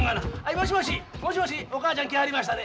もしもしもしもしお母ちゃん来はりましたで。